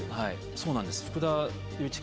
そうなんです。